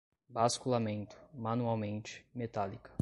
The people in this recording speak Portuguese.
basculamento, manualmente, metálica